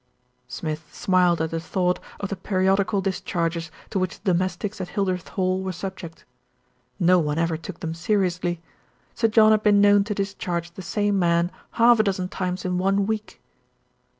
Smith smiled at the thought of the periodical dis charges to which the domestics at Hildreth Hall were subject. No one ever took them seriously. Sir John had been known to discharge the same man half a dozen times in one week.